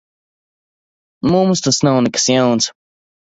Mums tas nav nekas jauns.